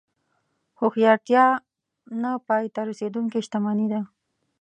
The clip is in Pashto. هوښیارتیا نه پای ته رسېدونکې شتمني ده.